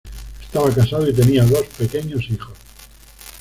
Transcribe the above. Estaba casado y tenía dos pequeños hijos.